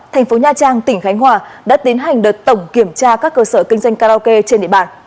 thành phố nha trang tỉnh khánh hòa đã tiến hành đợt tổng kiểm tra các cơ sở kinh doanh karaoke trên địa bàn